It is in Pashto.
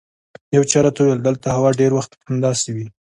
یو چا راته وویل دلته هوا ډېر وخت همداسې وي.